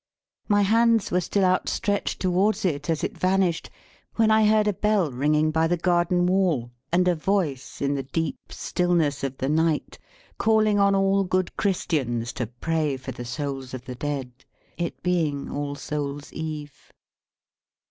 My hands were still outstretched towards it as it vanished, when I heard a bell ringing by the garden wall, and a voice in the deep stillness of the night calling on all good Christians to pray for the souls of the dead; it being All Souls' Eve.